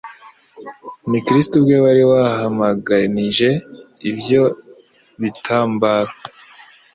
Ni Kristo ubwe wari wahmganije ibyo bitambaro.